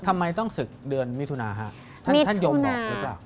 ทำไมต้องศึกเดือนมิถุนาฮะท่านยมบอกหรือเปล่า